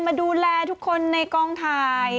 มาดูแลทุกคนในกองถ่าย